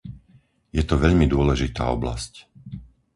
Je to veľmi dôležitá oblasť.